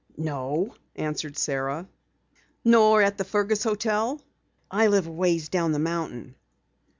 "No," answered Sara. "Nor at the Fergus hotel?" "I live a ways down the mountain."